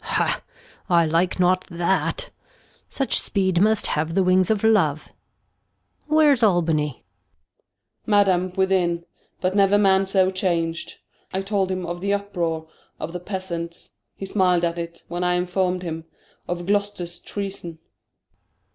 Gon. Ha ! I like not that, Such speed must have the Wings of Love; where's Albany'^. Gent. Madam, within, but never Man so chang'd ; I told him of the Uproar of the Peasants, He smil'd at it, when I inform'd him Of Gloster's Treason. Gon.